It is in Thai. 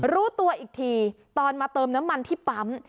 รู้ตัวอีกทีตอนมาเติมน้ำมันที่ปั๊ม